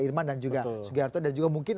irman dan juga sugiharto dan juga mungkin